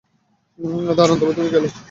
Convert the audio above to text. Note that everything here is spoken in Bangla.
দারুণ, তবে তুমিই খেলো।